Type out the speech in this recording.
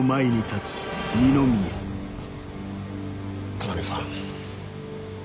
田波さん。